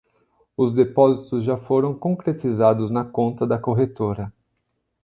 Os depósitos já foram concretizados na conta da corretora